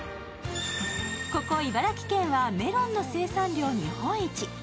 ここ茨城県は、メロンの生産量日本一。